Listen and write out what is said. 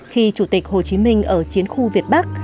khi chủ tịch hồ chí minh ở chiến khu việt bắc